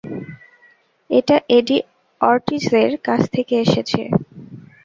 এটা এডি অর্টিজের কাছ থেকে এসেছে।